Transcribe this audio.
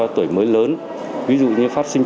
tuổi mới lớn ví dụ như phát sinh